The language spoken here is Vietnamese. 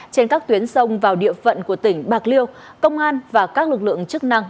trên các tuyến sông vào địa phận của tỉnh bạc liêu công an và các lực lượng chức năng